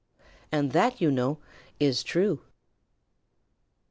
And that, you know, is true.